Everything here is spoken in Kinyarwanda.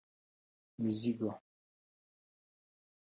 imizigo